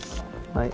はい。